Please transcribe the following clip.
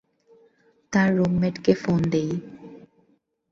তার রুমমেটকে ফোন দিই।